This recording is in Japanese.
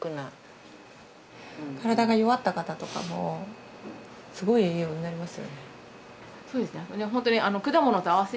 体が弱った方とかもすごい栄養になりますよね。